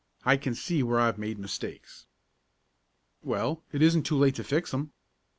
"I can see where I've made mistakes." "Well, it isn't too late to fix 'em."